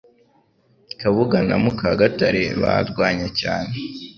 Kabuga na mukagatare barwanye cyane.